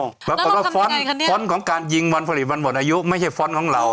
แล้วเราต้องทำยังไงค่ะเนี้ยฟ้นของการยิงวันผลิตวันหมดอายุไม่ใช่ฟ้นของเรา